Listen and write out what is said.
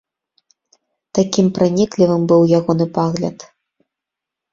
Такім праніклівым быў ягоны пагляд.